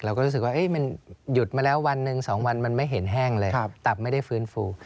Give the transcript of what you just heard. รู้สึกว่ามันหยุดมาแล้ววันหนึ่ง๒วันมันไม่เห็นแห้งเลยตับไม่ได้ฟื้นฟู